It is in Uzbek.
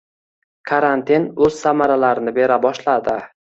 Karantin o`z samaralarini bera boshladi